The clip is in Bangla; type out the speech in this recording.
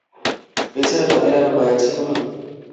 এছাড়া তাদের আর উপায় আছে কোনো?